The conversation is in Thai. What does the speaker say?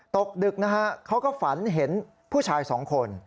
ตกดึกนะฮะเขาก็ฝันเห็นผู้ชายสองคน